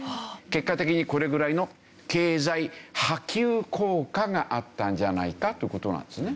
結果的にこれぐらいの経済波及効果があったんじゃないかという事なんですね。